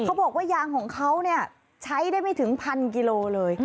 เขาบอกว่ายางของเขาเนี่ยใช้ได้ไม่ถึงพันกิโลเลย